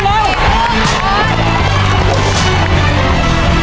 นี่นูกแก่ไว้ให้แล้วนี่